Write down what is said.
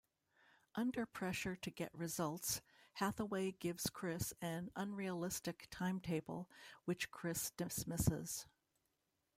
Under pressure to get results, Hathaway gives Chris an unrealistic timetable, which Chris dismisses.